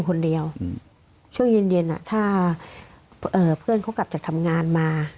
คนเดียวช่วงเย็นเย็นถ้าเพื่อนเขากลับจากทำงานมา